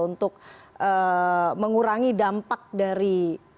untuk mengurangi dampak dari